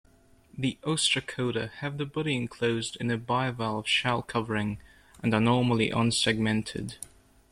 The Ostracoda have the body enclosed in a bivalve shell-covering, and are normally unsegmented.